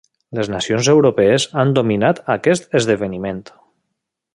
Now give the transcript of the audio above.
Les nacions europees han dominat aquest esdeveniment.